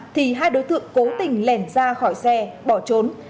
thì hai đối tượng cố tình lèn ra khỏi xe bỏ trốn